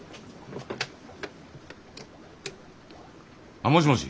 あっもしもし。